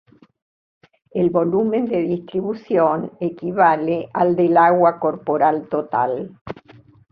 El volumen de distribución equivale al del agua corporal total.